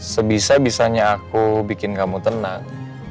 sebisa bisanya aku bikin kamu tenang